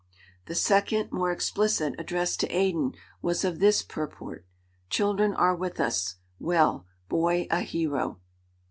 The second, more explicit, addressed to Aden, was of this purport: "Children are with us. Well. Boy a hero."